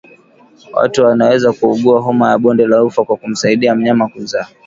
Watu wanaweza kuugua homa ya bonde la ufa kwa kumsaidia mnyama kuzaa